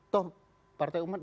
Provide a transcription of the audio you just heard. toh partai umat